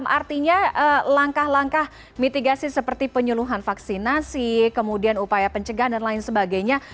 artinya langkah langkah mitigasi seperti penyuluhan vaksinasi kemudian upaya pencegahan dan lain sebagainya